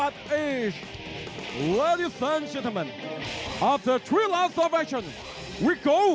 ทุกคนทุกคนตอนที่๓รอบไปกับสกอร์การ์ดสมมุม